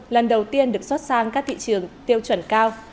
lần đầu tiên được xót sang các thị trường tiêu chuẩn cao